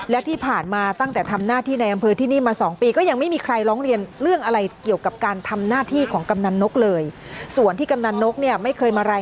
และที่ผ่านมาตั้งแต่ทำหน้าที่ในอำเภอที่นี่มา๒ปี